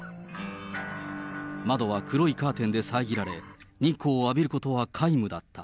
窓は黒いカーテンで遮られ、日光を浴びることは皆無だった。